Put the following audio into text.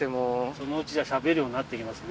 そのうちじゃあしゃべるようになって来ますね